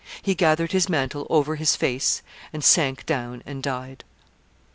He gathered his mantle over his face, and sank down and died.